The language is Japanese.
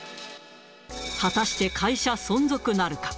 果たして会社存続なるか。